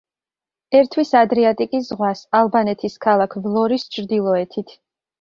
ერთვის ადრიატიკის ზღვას ალბანეთის ქალაქ ვლორის ჩრდილოეთით.